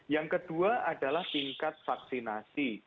yang kedua adalah tingkat vaksinasi